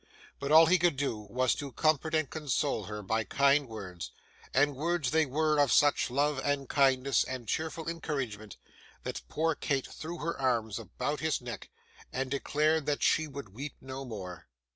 But all he could do was to comfort and console her by kind words; and words they were of such love and kindness, and cheerful encouragement, that poor Kate threw her arms about his neck, and declared she would weep no more.